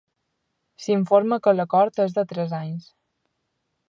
S'informa que l'acord és de tres anys.